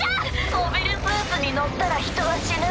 モビルスーツに乗ったら人は死ぬ。